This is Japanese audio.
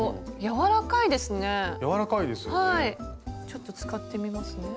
ちょっと使ってみますね。